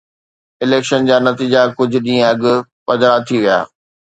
Election جا نتيجا ڪجهه ڏينهن اڳ پڌرا ٿي ويا.